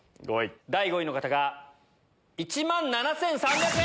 第５位の方が１万７３００円。